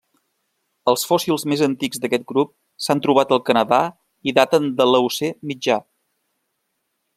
Els fòssils més antics d'aquest grup s'han trobat al Canadà i daten de l'Eocè mitjà.